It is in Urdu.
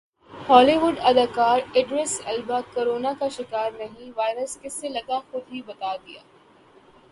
ہالی ووڈ اداکارادریس البا کورونا کا شکارانہیں وائرس کس سے لگاخودہی بتادیا